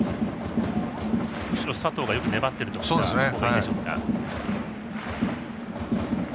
むしろ佐藤がよく粘っているところでしょうか。